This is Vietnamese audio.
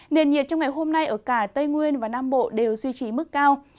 nền nhiệt trong ngày hôm nay ở cả tây nguyên và nam bộ đều duy trì mức cao